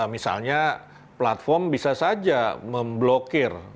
misalnya platform bisa saja memblokir